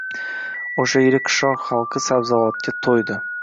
O‘sha yili qishloq xalqi sabzavotga to’ydi.